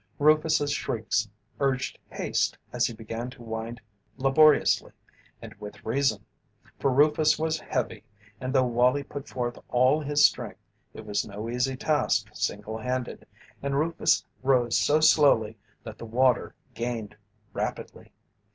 Rufus's shrieks urged haste as he began to wind laboriously, and with reason, for Rufus was heavy and though Wallie put forth all his strength it was no easy task single handed, and Rufus rose so slowly that the water gained rapidly.